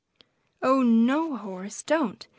"Oh no, Horace, don't!